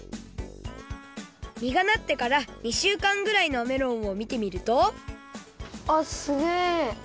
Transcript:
みがなってから２週間ぐらいのメロンをみてみるとあっすげえ！